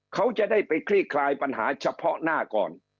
เขาจะได้ไปคลี่คลายปัญหาเฉพาะหน้าก่อน